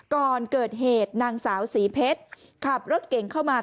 ก่อนเกิดเหตุนางสาวศรีเพชรขับรถเก่งเข้ามา